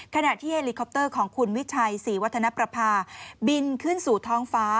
ขณะที่เฮลิคอปเตอร์ของคุณวิชัยศรีวัฒนประพาบินขึ้นสู่ท้องฟ้า